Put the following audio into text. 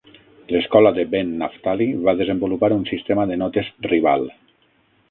L'escola de Ben Naphtali va desenvolupar un sistema de notes rival.